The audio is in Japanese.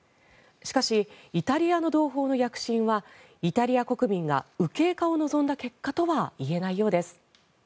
しかし、イタリアの同胞の躍進はイタリア国民が右傾化を望んだ結果とは言えないようです。